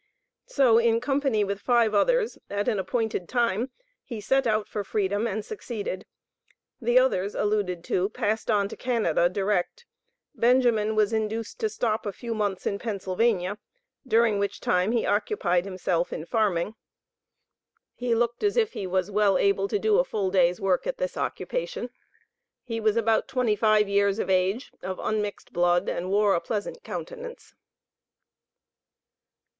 So, in company with five others, at an appointed time, he set out for freedom, and succeeded. The others, alluded to, passed on to Canada direct. Benjamin was induced to stop a few months in Pennsylvania, during which time he occupied himself in farming. He looked as if he was well able to do a full day's work at this occupation. He was about twenty five years of age, of unmixed blood, and wore a pleasant countenance.